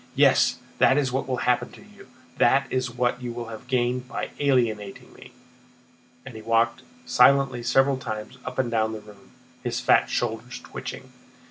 Yes, that is what will happen to you. That is what you have gained by alienating me!" And he walked silently several times up and down the room, his fat shoulders twitching.